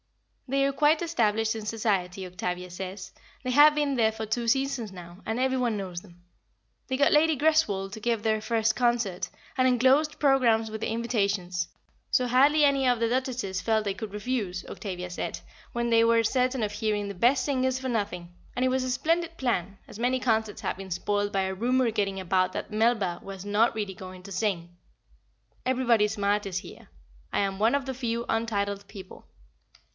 They are quite established in Society, Octavia says; they have been there for two seasons now, and every one knows them. They got Lady Greswold to give their first concert, and enclosed programmes with the invitations, so hardly any of the Duchesses felt they could refuse, Octavia said, when they were certain of hearing the best singers for nothing; and it was a splendid plan, as many concerts have been spoilt by a rumour getting about that Melba was not really going to sing. Everybody smart is here. I am one of the few untitled people.